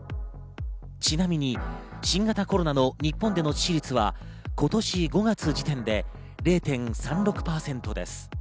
ちなみに、新型コロナの日本での致死率は今年５月時点で０．３６％です。